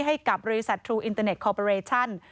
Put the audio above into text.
ให้กับบริษัททรูอินเตอร์เน็ตคอปอเรชั่น